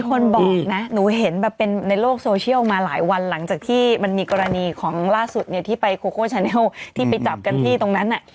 คนบอกนะหนูเห็นแบบเป็นในโลกโซเชียลมาหลายวันหลังจากที่มันมีกรณีของล่าสุดเนี่ยที่ไปโคโคชาเนลที่ไปจับกันที่ตรงนั้น